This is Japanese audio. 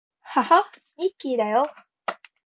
はは、ミッキーだよ